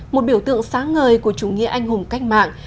một biểu tượng sáng ngời của chủ nghĩa anh hùng cách mạng